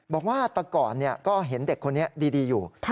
บอกว่าตะก่อนก็เห็นเด็กคนนี้ดีอยู่